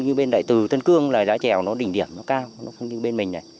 như bên đại tử thân cương là giá chèo nó đỉnh điểm nó cao nó không như bên mình này